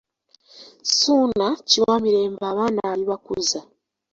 Ssuuna Kiwamirembe Abaana alibakuza.